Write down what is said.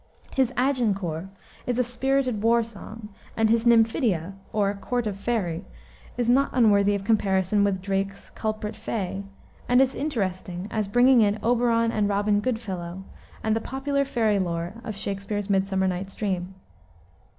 His Agincourt is a spirited war song, and his Nymphidia; or, Court of Faery, is not unworthy of comparison with Drake's Culprit Fay, and is interesting as bringing in Oberon and Robin Goodfellow, and the popular fairy lore of Shakspere's Midsummer Night's Dream.